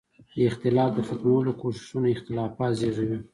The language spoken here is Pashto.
د اختلاف د ختمولو کوششونه اختلافات زېږوي.